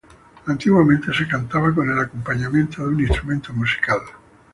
Antiguamente se cantaba con el acompañamiento de un instrumento musical.